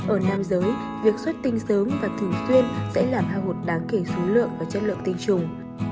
ở nam giới việc xuất tinh sớm và thường xuyên sẽ làm hao hụt đáng kể số lượng và chất lượng tinh trùng